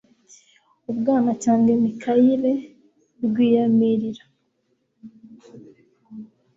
Ubwanacyambwe Mikayire Rwiyamirira